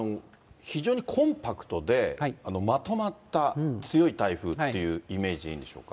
非常にコンパクトで、まとまった強い台風っていうイメージでしょうか。